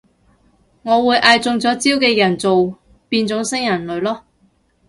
我會嗌中咗招嘅人做變種新人類囉